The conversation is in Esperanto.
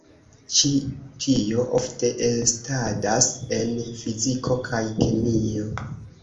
Ĉi tio ofte estadas en fiziko kaj kemio.